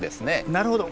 なるほど。